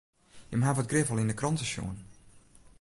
Jimme hawwe it grif al yn de krante sjoen.